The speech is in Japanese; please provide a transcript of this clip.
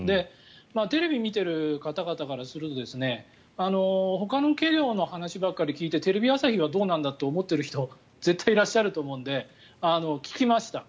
テレビを見ている方々からするとほかの企業の話ばかり聞いてテレビ朝日はどうなんだって思ってる人絶対いらっしゃると思うので聞きました。